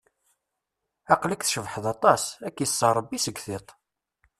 Aql-ik tcebḥeḍ aṭas, ad k-ister rebbi seg tiṭ.